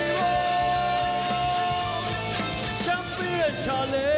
กระทั่งสายฟ้ากับนายจักรินทองก้อนครับจากอำเภอบ้านกลวดจังหวัดบุรีรัมย์วัย๑๘ปี